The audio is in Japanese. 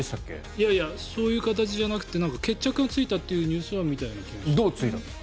いやいやそういう形じゃなくて決着がついたというニュースは見たような気がする。